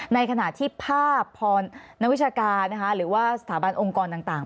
ในขณะที่ภาพพรนักวิชาการหรือว่าสถาบันองค์กรต่าง